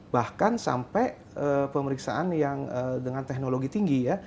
bahkan sampai pemeriksaan yang dengan teknologi tinggi ya